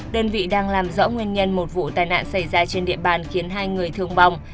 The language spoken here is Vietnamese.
đơn vị đang làm rõ nguyên nhân một vụ tai nạn xảy ra trên địa bàn khiến hai người thương vong